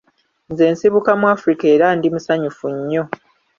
Nze nsibuka mu Africa era ndi musanyufu nnyo.